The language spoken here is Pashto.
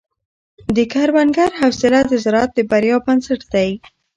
د کروندګر حوصله د زراعت د بریا بنسټ دی.